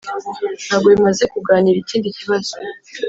ntabwo bimaze kuganira ikindi kibazo.